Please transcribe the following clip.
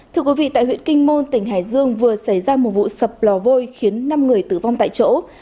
thưa quý vị tại huyện kinh môn tỉnh hải dương vừa xảy ra một vụ sập lò vôi khiến năm người tử vong tại chỗ